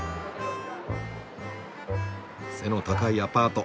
背の高いアパート